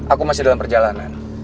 aku masih dalam perjalanan